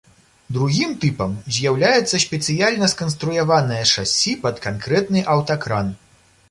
Другім тыпам з'яўляецца спецыяльна сканструяванае шасі пад канкрэтны аўтакран.